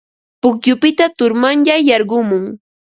Pukyupita turmanyay yarqumun.